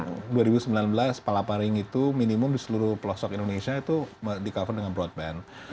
karena sepala paling itu minimum di seluruh pelosok indonesia itu di cover dengan broadband